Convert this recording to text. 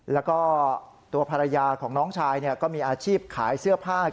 แล้วก็ตัวภรรยาของน้องชายก็มีอาชีพขายเสื้อผ้า